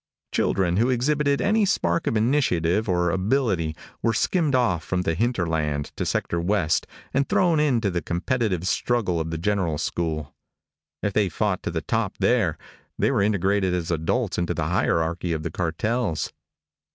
Children who exhibited any spark of initiative or ability were skimmed off from the hinterland to Sector West and thrown into the competitive struggle of the general school. If they fought to the top there, they were integrated as adults into the hierarchy of the cartels.